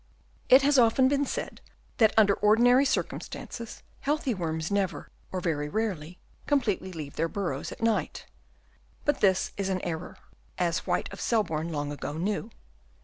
It has often been said that under ordinary circumstances healthy worms never, or very rarely, completely leave their burrows at night ; but this is an error, as White of Sel borne long ago knew.